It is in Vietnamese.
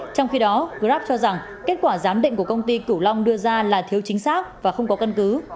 trong khi đó grab cho rằng kết quả giám định của công ty cửu long đưa ra là thiếu chính xác và không có căn cứ